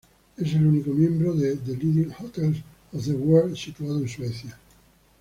Es el único miembro de The Leading Hotels of the World situado en Suecia.